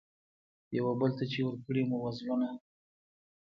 یوه بل ته چي ورکړي مو وه زړونه